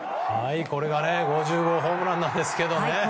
これが５０号ホームランですね。